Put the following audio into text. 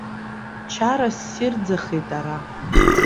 Чара ссирӡахеит ара.